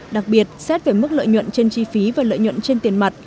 đặc biệt xét về mức lợi nhuận trên chi phí và lợi nhuận trên tiền mặt